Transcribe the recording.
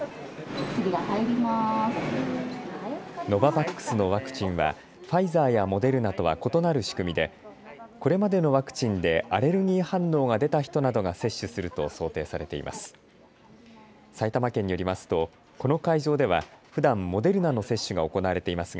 ノババックスのワクチンはファイザーやモデルナとは異なる仕組みでこれまでのワクチンでアレルギー反応が出た人などが接種すると想定されています。